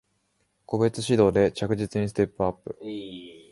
個別指導で着実にステップアップ